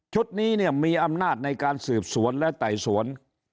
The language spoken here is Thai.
นี้เนี่ยมีอำนาจในการสืบสวนและไต่สวน